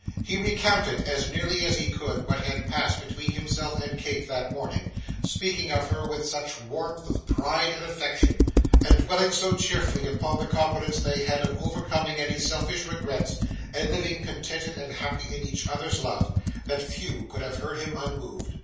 He recounted, as nearly as he could, what had passed between himself and Kate that morning: speaking of her with such warmth of pride and affection, and dwelling so cheerfully upon the confidence they had of overcoming any selfish regrets and living contented and happy in each other's love, that few could have heard him unmoved.